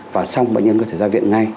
và xong bệnh nhân có thể ra viện ngay